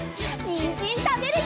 にんじんたべるよ！